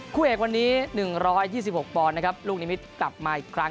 คู่เอกวันนี้๑๒๖ปอลลูกนิมิซกลับมาอีกครั้ง